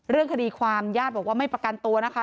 เรื่องคดีความญาติบอกว่าไม่ประกันตัวนะคะ